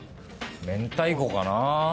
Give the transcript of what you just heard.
明太子かな。